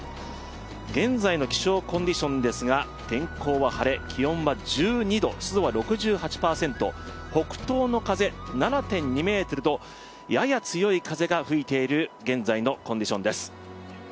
現在の気象コンディションですが天候は晴れ、気温は１２度、湿度は６８％、北東の風７．２メートルとやや強い風が吹いている現在のコンディションです。